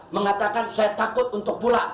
mengatakan saya takut untuk pulang